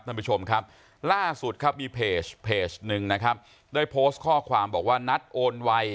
ท่านผู้ชมครับล่าสุดครับมีเพจหนึ่งนะครับได้โพสต์ข้อความบอกว่านัดโอนไว